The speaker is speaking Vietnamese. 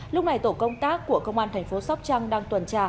lúc này tổ công tác của công an thành phố sóc trăng đang tuần tra